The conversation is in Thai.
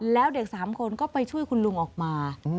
แล้วเด็ก๓คนก็ไปช่วยคุณลุงออกมา